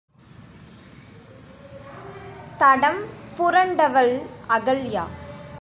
தடம்புரண்டவள் Ahalya.